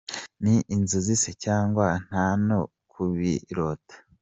Ni inzozi se, cyangwa nta no kubirota?